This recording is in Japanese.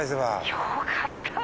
よかった！